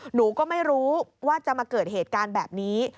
หนูก็ไม่รู้ว่าจะมาเกิดเหตุการณ์แบบนี้